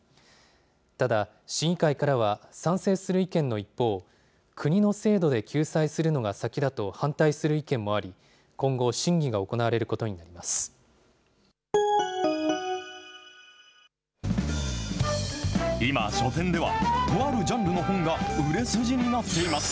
ただ市議会からは、賛成する意見の一方、国の制度で救済するのが先だと反対する意見もあり、今後、審議が今、書店ではとあるジャンルの本が売れ筋になっています。